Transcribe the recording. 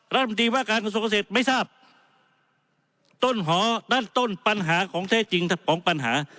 ละละถามจริงว่าการสูญสุขเสจไม่ทราบต้นหอด้านต้นปัญหาของเทคจริงพร้อมปัญหา